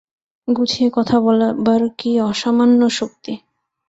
গুছিয়ে কথা বলবার কী অসামান্য শক্তি!